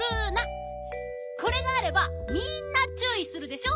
これがあればみんなちゅういするでしょ。